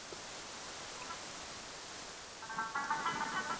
دغه نظريات د ټولنپوهنې د علم په توګه د پېژندلو کي مرسته کړې ده.